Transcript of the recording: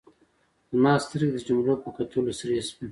زما سترګې د جملو په کتلو سرې شوې.